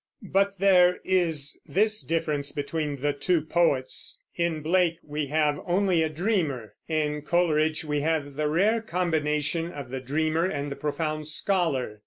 But there is this difference between the two poets, in Blake we have only a dreamer; in Coleridge we have the rare combination of the dreamer and the profound scholar.